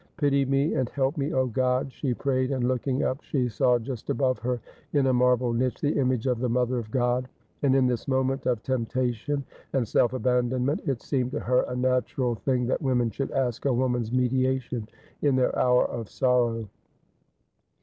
'Pity me and help me, O God !' she prayed, and looking up she saw just above her in a marble niche the image of the Mother of God ; and in this moment of temptation and self abandonment, it seemed to her a natural thing that women should ask a woman's mediation in their hour of sorrow.